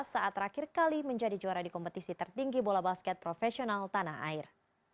saat terakhir kali menjadi juara di kompetisi tertinggi bola basket profesional tanah air